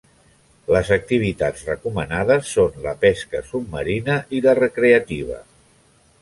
Les activitats recomanades són la pesca submarina i la recreativa.